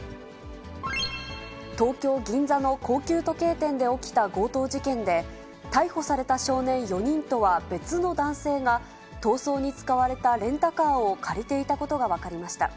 東京・銀座の高級時計店で起きた強盗事件で、逮捕された少年４人とは別の男性が、逃走に使われたレンタカーを借りていたことが分かりました。